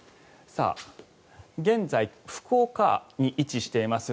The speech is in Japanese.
現在、福岡に位置しています